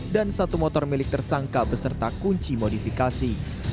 dan satu motor milik tersangka beserta kunci modifikasi